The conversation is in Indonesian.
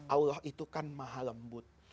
allah itu kan maha lembut